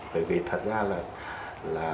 bởi vì thật ra là